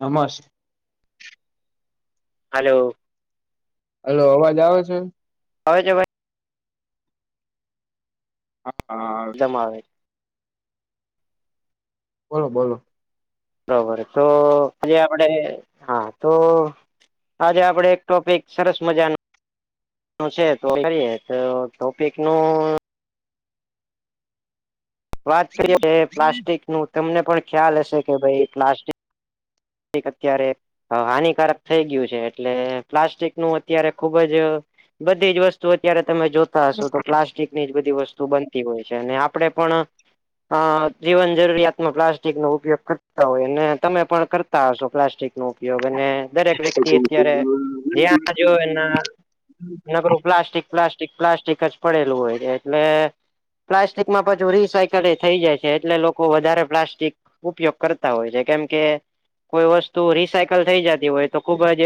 નમ hello. Hello, અવાજ આવે છે? આવે છે અવાજ. હા. [unintelligible] બોલો બોલો. બરોબર તો પછ આપડે હા તો આજે આપડે એક ટોપિક સરસ મજા ન છે તો કરીએ તો ટોપિક નું વાત કરી પ્લાસ્ટિક નું તમને પણ ખ્યાલ હશે કે ભાઈ પ્લાસ્ટિકનું. થીક અત્યારે હા હાનિકારક થઈ ગયું છે એટલે પ્લાસ્ટિક નું અત્યારે ખુબ જ બધી જ વસ્તુ અત્યારે તમે જોતા હશો તો પ્લાસ્ટિકની જ બધી વસ્તુ બન બનતી હોય છે અને આપડે પણ અ જીવન જરૂરિયાતમાં પ્લાસ્ટિક નો ઉપયોગ કરતા હોય ને તમે પણ કર. શો પ્લાસ્ટિક નું. ઉપયોગ અને દરેક વ્યક્તિ અત્યારે જ્યાં જો એના નગર પ્લાસ્ટિક પ્લાસ્ટિક પ્લાસ્ટિક જ પડેલું હોય છે એટલે પ્લાસ્ટિકમાં પાછ રીસાયકલ થઈ જાય છે એટલે લોકો વધારે પ્લાસ્ટિક ઉપયોગ કરતા હોય છે. કેમ કે કોઈ વસ્તુ રિસાયકલ થઈ જતી હોય તો ખુબ જ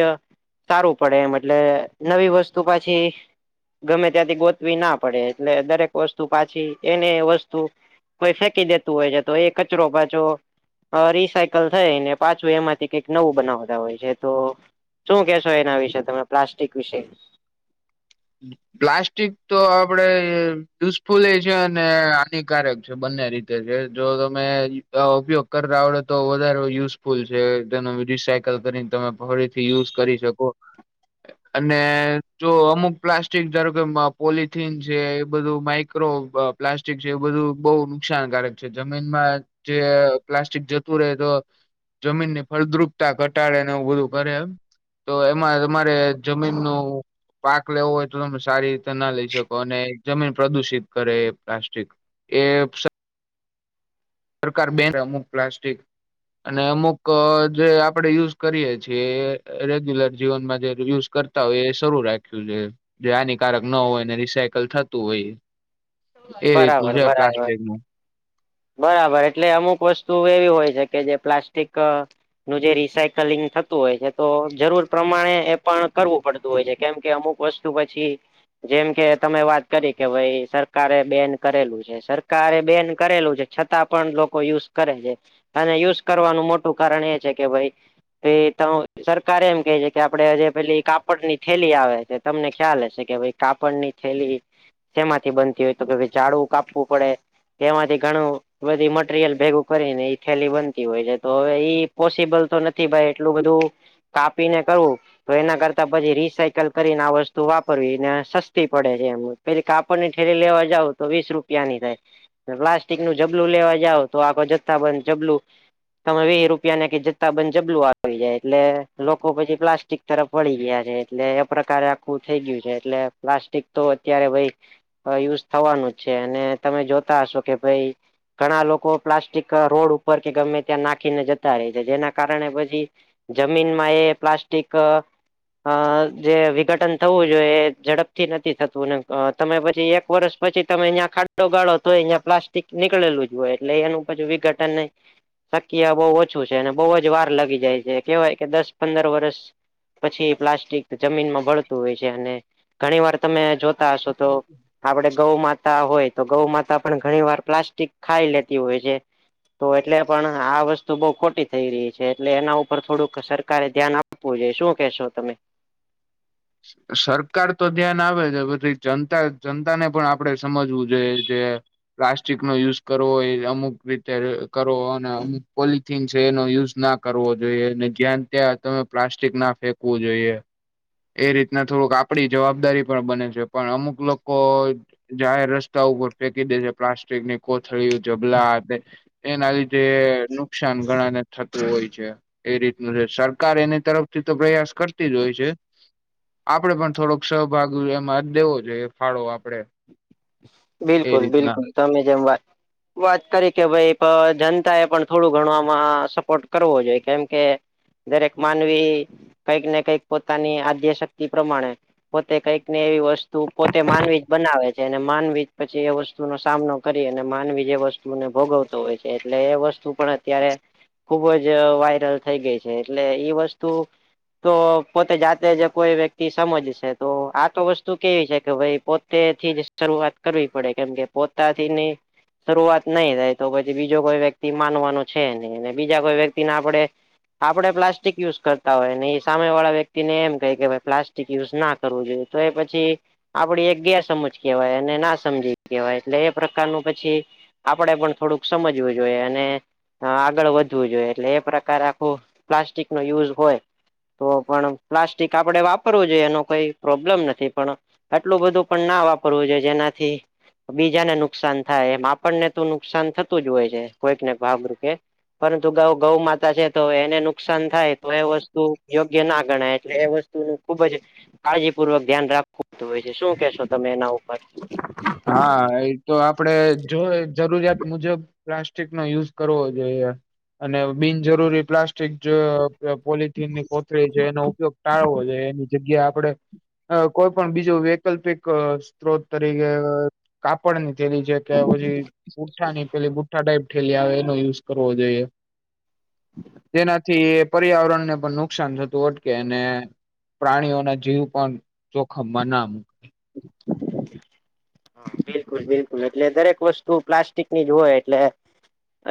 સારું પડે એમ એટલે નવી વસ્તુ પાછી ગમે ત્યાંથી ગોતવી ના પડે એટલે દરેક વસ્તુ પાછી એને વસ્તુ કોઈ ફેંકી દેતું હોય છે તો એ કચરો પાછો આ રિસાયકલ થઈને પાછું એમાંથી કંઈક નવું બનાવતા હોય છે તો શું કેશો એના વિશે તમે પ્લાસ્ટિક વિશે. [inaudible] પ્લાસ્ટિક તો આપડે યુઝફુલે છે અને હાનિકારક છે બંને રીતે. તે કે જો તમે [unintelligible] ઉપયોગ કરતા આવડે તો વધારે યુઝફુલ છે તેનો રિસાય કલ કરીને તમે ફરીથી યુઝ કરી શકો અને જો અમુક પ્લાસ્ટિક ધારો કે મા પોલથીન છે એ બધું માઈક્રો પા પ્લાસ્ટિક છે એ બધું બઉ નુકસાનકારક છે જમીનમાં જે પ્લાસ્ટિક જતું રહે તો જમીન ની ફળદ્રુપતા ઘટાડે ને એવું બધું કરે એમ. તો એમાં તમારે જમીન નું લેવો હોય તો તમે સારી રીતે ના લઈ શકો અને જમીન પ્રદુષિત કરે એ પ્લાસ્ટિક. એ [unintelligible] સરકાર બેન અમુક પ્લાસ્ટિક અને અમુક જે આપડે યુઝ કરીયે છીએ રેગ્યુલર જીવનમાં જે યુઝ કર તા હોય એ સારું રાખ્યું છે જે હાનિકારક ન હોયને રિસાયકલ થતું હોય. એ રીતનું બરાબર છે આ બરાબર પ્લાસ્ટિક નું. બરાબર એટલે અમુક વસ્તુ એવી હોય છે કે જે પ્લાસ્ટિક આ નું જે રિસાયકલિંગ થતું હોય છે એ તો જરૂર પ્રમાણે એ પણ કરવું પડતું હોય છે કેમ કે અમુક વસ્ વસ્તુ પછી જેમ કે તમે વાત કરી કે ભાઈ સરકારે બેન કરેલું છે સરકારે બેન કરેલું છે. છતાં પણ લોકો યુઝ કરે છે અને યુઝ કરવાનું મોટું કારણ એ છે કે ભાઈ એ તો સરકારે એમ કહે છે કે આપડે જે પેલી કાપડ ની થેલી આવે છે તમને ખ્યાલ હશે કે ભાઈ કાપડ ની થેલી શેમાંથી બનતી હોય તો કે ભઈ ઝાડું કાપવું પડે તેમાંથી ઘણું બધી મટીરિયલ ભેગું કરીને ઈ થેલી બનતી હોય છે તો હવે ઈ પોસિબલ તો નથી ભાઈ એટલું બધું કાપી ને કરવું તો એના કરતા પછી રીસાયકલ કરીને આ વસ્તુ વાપરવી ને સસ્તી પડે છે એમ. પેલી કાપડ ની ઠેલી લેવા જાવ તો વીસ રૂપિયાની થાય ને પ્લાસ્ટિક નું જબલું લેવા જવો તો આખો જથ્થા બંધ જબલુ તમે વિહા રૂપિયા ને કે જથ્થા બંધ જબલું આવી જાય એટલે લોકો પછી પ્લાસ્ટિક તરફ વળી ગયા છે એટલે એ પ્રકારે આખું થઈ ગયું છે એટલે પ્લાસ્ટિક તો અત્યારે ભાઈ તો યુઝ થવાનું જ છે ને તમે જોતા હશો કે ભાઈ ઘણા લોકો પ્લાસ્ટિક અ રોડ ઉપર કે ગમે ત્યાં નાખીને જતા રહે છે જેના કારણે પછી જમીનમાં એ પ્લાસ્ટિક અ અ જે વિઘટન થવું જોઈએ એ ઝડપથી નથી થતું ને તમે પછી એક વર્ષ પછી તમે અહીંયા ખાડો ગાળો તો અહીંય પ્લાસ્ટિક નીકળેલું જ હોય એટલે એનું પછું વિઘટન નહી શક્ય બહુ ઓછું છે અને બહુ જ વાર લાગી જાય છે કેહેવાય કે દસ પંદર વર્ષ. પછી પ્લાસ્ટિક જમીનમાં ભળતું હોય છે અને ઘણી વાર તમે જોતા હશો હમ તો આપડે ગૌ માતા હોય તો ગૌ માતા પણ ઘણી વાર પ્લાસ્ટિક ખાઈ લેતી હોય છે. તો એટલે પણ આ વસ્તુ બહુ ખોટી થઈ રહી છે એટલે એના ઉપર થોડુંક સરકારે ધ્યાન આપ આપવું જોઈ શું કહેશો તમે. સરકાર તો ધ્યાન આવે છે પછી જનતા જનતા ને પણ આપડે સમજવું જોઈએ જે પ્લાસ્ટિક નો યુઝ કરવો એ અમુક રીતે કરવો અને અમુક પોલી થીન છે એનો યુઝ ના કરવો જોઈએ ને જ્યાન ત્યાં તમે પ્લાસ્ટિક ના ફેંકવું જોઈએ. એ રીતના થોડુંક આપડી જવાબદારી પણ બને છે પણ અમુક લોકો જાહેર રસ્તા ઉપર ફેંકી દે છે પ્લાસ્ટિક ની કોથળી જબલા અને એના લીધે નુકસાન ઘણા ને થતું હોય છે. એ રીતનું છે સરકાર એની તરફથી તો પ્રયાસ કરતી જ હોય છે. આપડે પણ થોડોક સહભાગી એમાં જ દેવો જોઈએ ફાળો આપડે એ બિલકુલ રીતના બિલકુલ તમે જેમ વાત વાત કરી કે ભાઈ જનતા એ પણ થોડું ઘણવામાં સપોર્ટ કરવો જોઈએ કેમ કે દરેક માનવી કઈક ને કઈક પોતાની આદ્ય શક્તિ પ્રમાણે પોતે કંઈક ને એવી વસ્તુ પોતે માનવી જ બનાવે છે. જેને માનવીજ પછી એ વસ્તુનો સામનો કરી અને માનવીજ એ વસ્તુને ભોગવતો હોય છે એટલે એ વસ્તુ પણ ત્યારે ખુબ જ વાયરલ થઈ ગઈ છે એટલે ઈ વસ્તુ તો પોતે જાતે જ કોઈ વ્યક્તિ સમજશે તો આ તો વસ્તુ કેવી છે કે ભાઈ પોત તેથી જ શરૂઆત કરવી પડે કેમ કે પોતાથીની શરૂઆત નહી થાય તો પછી બીજો કોઈ વ્યક્તિ માનવાનું છે નહી અને બીજા કોઈ વ્યક્તિને આપણે આપડે પ્લાસ્ટિક યુઝ કરતા હોય ને એ સામે વાળા વ્યક્તિને એમ ક કે ભ પ્લાસ્ટિક યુઝ ના કરવું જોઈએ તો એ પછી આપડી એક ગેર સમજ કેવાય અને ના સમજી કહેવાય એટલે એ પ્રકારનું પછી આપણેે પણ થોડુંક સમજવું જોઈએ અને હ આગળ વધવું જોઈએ એટલે એ પ્રકારે આખું પ્લાસ્ટિક નો યુઝ હોય. તો પણ પ્લાસ્ટિક આપણેે વાપરવું જોઈએ એનો કોઈ પ્રોબ્લેમ નથી પણ આટલું બધું પણ ના વાપરવું જોઈએ જેનાથી બીજાને નુકસાન થાય એ આપણને તો નુકસાન થતું જ હોય છે કોઈક ને ભાગરૂપે. પરંતુ ગૌ ગૌ માતા છે તો એને નુકસાન થાય તો એ વસ્તુ યોગ્ય ના ગણાય એટલે એ વસ્તુ ખુબ જ કાળજીપૂર્વક ધ્યાન રાખવુંતું હોય છે શું કેશો તમે એના ઉપર હા એ તો આપડે જો જરૂરિયાત મુજબ પ્લાસ્ટિક નો યુઝ કરવો જોઈએ અને બિનજરૂરી પ્લાસ્ટ સ્ટિક જ પોલથીનની કોથરી છે એનો ઉપયોગ ટાળવો જોઈ એની જગ્યા આપણે અ કોઈ પણ બીજું વૈકલ્પિક સ્ત્રોત તરીકે કાપડ ની થેલી છે કે પછી બૂઠાની પેલી બુઠ્ઠા ટાઈપ થેલી આવે એનો યુઝ કરવો જોઈએ. તેનાથી પર્યાવરણને પણ નુકસાન થતું અટકે એને. પ્રાણીઓ ના જીવ પણ જોખમમાં ના [unintelligible] બિલકુલ બિલકુલ એટલે દરેક વસ્તુ પ્લાસ્ટિકની જ હોય એટલે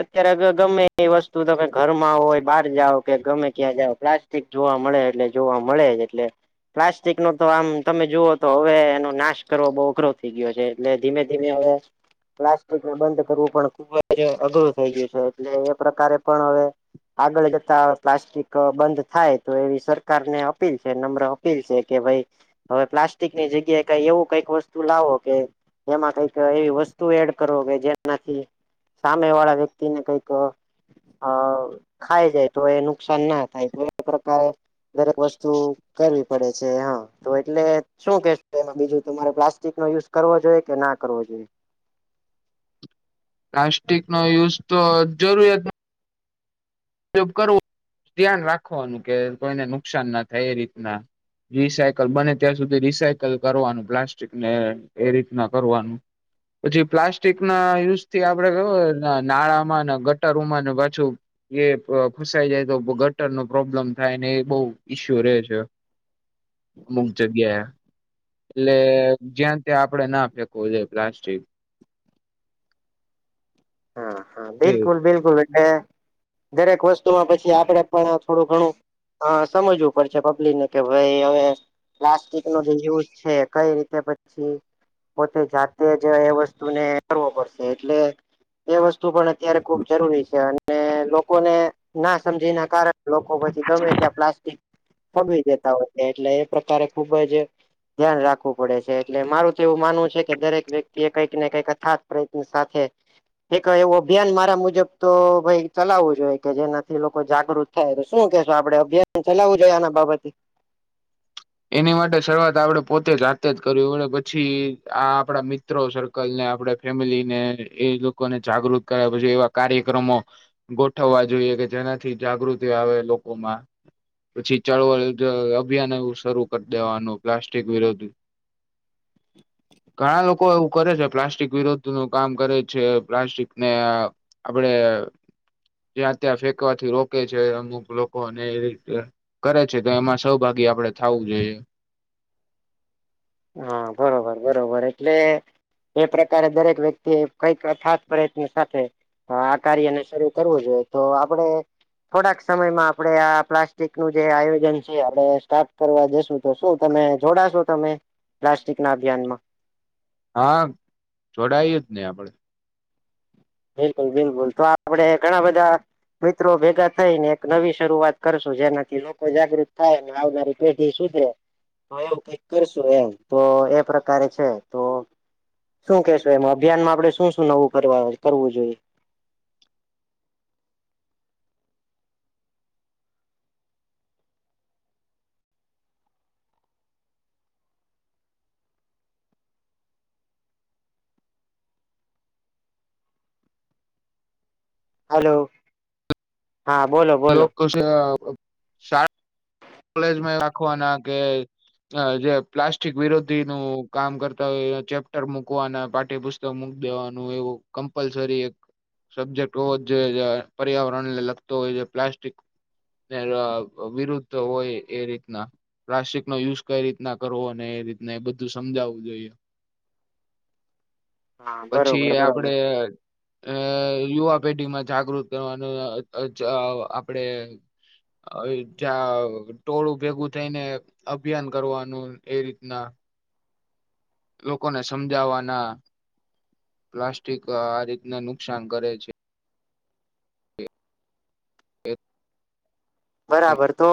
અત્યારે ગમે એ વસ્તુ તો કે ઘર માં હોય બહાર જાઓ કે ગમે ક્યાં જાઓ પ્લાસ પ જોવા મળે એટલે જોવા મળે જ એટલે પ્લાસ્ટિક નો તો આમ તમે જુઓ તો હવે એનો નાશ કરવો બહુ અઘરો થઈ ગયો છે એટલે ધીમે ધીમે હવે પ્લાસ્ટિકને બંધ કરવું પણ ખૂબ જ અઘરું થઈ ગયું છે એટલે એ પ્રકારે પણ હવે આગળ જતા પ્લાસ્ટિક બંધ થાય તો એવી સરકારને અપીલ છે નમ્ર. અપીલ છે કે ભાઈ હવે પ્લાસ્ટિકની જગ્યા. ક એવું કઈક વસ્તુ લાવો કે એમાં કઈક એવી વસ્તુ એડ કરો કે જેનાથી સામે વાળા વ્યક્તિ ને કઈ ક અ ખાય જાય તો એ નુકસાન ના થાય તો એ પ્રકારે દરેક વસ્તુ કરવી પડે છે હા તો એટલે શું કે. તો એમાં બીજું તમારે પ્લાસ્ટિક નો યુઝ કરવો જોઈએ કે ના કરવો જોઈએ પ્લાસ્ટિક નો યુઝ તો જરૂરત ઉપયોગ કરવું ધ્યાન રાખવાનું કે કોઈને નુકસાન ના થાય એ રીતના રિસાયકલ બને ત્યાં સુધી રિસાયકલ કરવાનું પ્લાસ્ટિકને એ રીતના કરવાનું. પછી પ્લાસ્ટિક ના યુઝ થી આપડે કેને નાળામાં ને ગટરોમાં ને પાછું. એ ફ ફસાઈ જાય તો ગટર નો પ્રોબ્લેમ થાય ને એ બહુ ઈસ્યુ રહે છે. અમુક જગ્યાએ એટલે જ્યાં ત્યાં આપડે ના ફેંકવું જોઈએ પ્લાસ્ટિક હા હા એ બિલકુલ બિલકુલ એટલે દરેક વસ્તુમાં પછી આપડે પણ થોડું ઘણું હા સમજવું પડશે પબ્લિકને કે ભાઈ હવે પ્લાસ્ટિક નો ર યુઝ છે કઈ રીતે પછી પોતે જાતે જ એ વસ્તુને કરવો પડશે એટલે એ વસ્તુ અત્યારે ખૂબ જરૂરી છે અને લોકોને ના સમજી ના કારણે લોકો પછી ગમે ત્યાં પ્લાસ્ટિક ફગવી દેતા હોય છે એટલે એ પ્રકારે ખુબ જ ધ્યાન રાખવું પડે છે એટલે મારું તો એવું માનવું છે કે દરેક વ્યક્તિ એ કંઈક ને કઈક અથાત પ્રયત્ન સાથે એક એવું અભિયાન મારા મુજબ તો ભાઈ ચલાવવું જોઈએ કે જેનાથી લોકો જાગૃત થાય તો શું કેશો આપડે અભિયાન ચલાવું જોઈએ આના બાબતે એની માટે શરૂઆત આપડે પોતે જાતે જ કર અને પછી આ આપડા મિત્ર મિત્રો સર્કલ ને આપણે ફેમિલી ને એ લોકોને જાગૃત કર્યા પછી એવા કાર્યક્રમો ગોઠવવા જોઈએ કે જેનાથી જાગૃતિ આવે લોકોમાં પછી ચળવા અભિયાન એવું શરૂ કરી દેવાનું પ્લાસ્ટિક વિરુદ્ધ ઘણા લોકો એવું કરે છે પ્લાસ્ટિક વિરોધ નું કામ કરે છે પ્લાસ્ટિકને આપડે ત્યાં ત્યાં ફેંકવાથી રોકે છે અમુક લોકોને એ રીતે કરે છે તો એમાં સહભાગી આપડે થવું જોઈએ હા બરોબર બરોબર એટલે એ પ્રકારે દરેક વ્યક્તિ એ કઈક અથાત પ્રયત્ન સાથે હ આ કાર્યને શરૂ કરવું જોઈએ તો આપડે થોડાક સમયમાં આપડે આ પ્લાસ્ટિક નું જે આયોજન છે આપ સ્ટાર્ટ કરવા જશું તો શું તમે જોડાશો તમે પ્લાસ્ટિક ના અભિયાનમાં હા જોડાય જ ને આપડે બિલકુલ બિલકુલ તો આપડે ઘણા બધા મિત્રો ભેગા થઈ ને એક નવી શરૂઆત કરશું જેનાથી લોકો જાગૃત થાયને આવનાર પેઢી સુધે તો એવું કઈક કરશું એમ તો એ પ્રકારે છે તો શું કેશો એમાં અભિયાનમાં આપડે શું શું નવું કરવા કરવું જોઈએ હેલો હા બોલો બોલો કુસ શા કોલેજમાં રાખવાના કે જે પ્લાસ્ટિક વિરોધી નું કામ કરતા હોય એ ચેપ્ટર મૂકવાના પાઠ્યપુસ્તક મૂકી દેવાનું એવું કમ્પલસરી સબ્જેક્ટ હોવો જ જોઈએ પર્યાવરણને લગતો હોય છે પ્લાસ્ટિક ત વિરુદ્ધ હોય એ રીતના પ્લાસ્ટિક નો યુઝ કઈ રીતના કરવો ને એ રીતના એ બધું સમજાવવું જોઈએ હા પછી બરોબર આપડે બરોબર અ યુવા પેઢીમાં જાગૃત કરવાનું આપડે અ ત્યા ટોળું ભેગું થઈને અભિયાન કરવાનું એ રીતના લોકોને સમજાવવાના, પ્લાસ્ટિક આ રીતને નુકસાન કરે છે. એ બરાબર તો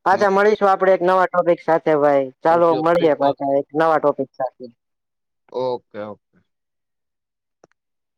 તમે પાછા મળીશું આપડે એક નવા ટોપિક સાથે ભાઈ. ચાલો ઉપયોગ મળીએ પાછા એક નવા ટોપિક સાથે. Okay okay.